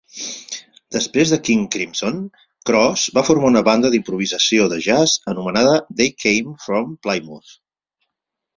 Després de King Crimson, Cross va formar una banda d'improvisació de jazz anomenada They Came from Plymouth.